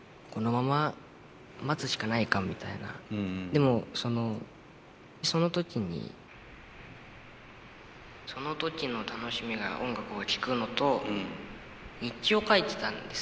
でもその時にその時の楽しみが音楽を聴くのと日記を書いてたんですよ。